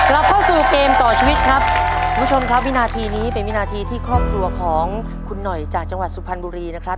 เราเข้าสู่เกมต่อชีวิตครับคุณผู้ชมครับวินาทีนี้เป็นวินาทีที่ครอบครัวของคุณหน่อยจากจังหวัดสุพรรณบุรีนะครับ